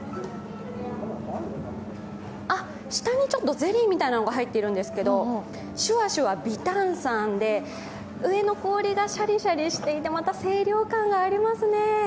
あっ、下にちょっとゼリーみたいなものが入ってるんですけどシュワシュワ微炭酸で上の氷がシャリシャリしていてまた清涼感がありますね。